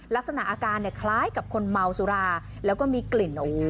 ลักษณะอาการเนี่ยคล้ายกับคนเมาสุราแล้วก็มีกลิ่น